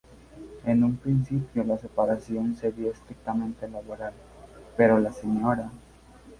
En un principio la separación sería estrictamente laboral, pero la Sra.